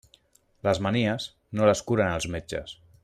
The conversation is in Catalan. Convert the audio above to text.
Les manies, no les curen els metges.